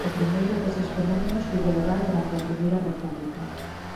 O primeiro deses fenómenos tivo lugar durante a I República.